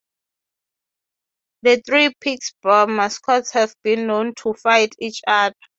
The three Pittsburgh mascots have been known to "fight" each other.